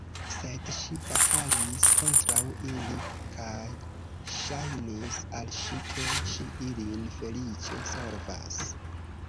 Sed ŝi batalis kontraŭ ili, kaj ŝajnis al ŝi, ke ŝi ilin feliĉe solvas.